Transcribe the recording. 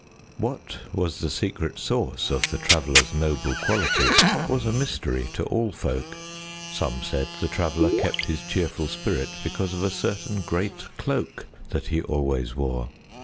What was the secret source of the Traveler's noble qualities was a mystery to all folk. Some said the Traveler kept his cheerful spirit because of a certain great cloak that he always wore.